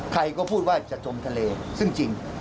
ใครก็พูดว่าจะจมทะเลซึ่งจริง